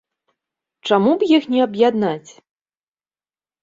Чаму б іх не аб'яднаць?